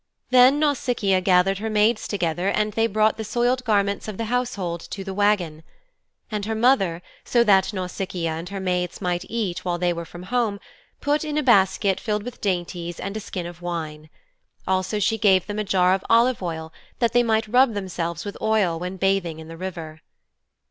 Then Nausicaa gathered her maids together and they brought the soiled garments of the household to the wagon. And her mother, so that Nausicaa and her maids might eat while they were from home, put in a basket filled with dainties and a skin of wine. Also she gave them a jar of olive oil so that they might rub themselves with oil when bathing in the river.